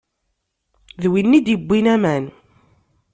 D winna i d-iwwin aman